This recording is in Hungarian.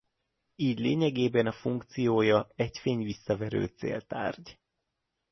Így lényegében a funkciója egy fényvisszaverő céltárgy.